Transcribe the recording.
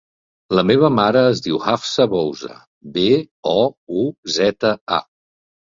La meva mare es diu Hafsa Bouza: be, o, u, zeta, a.